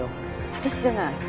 私じゃない。